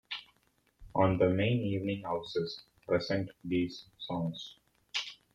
On the main evening houses present these songs.